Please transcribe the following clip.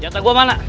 jatah gua mana